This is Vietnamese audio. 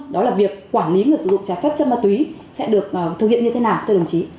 đó là việc quản lý người sử dụng trái phép chất ma túy sẽ được thực hiện như thế nào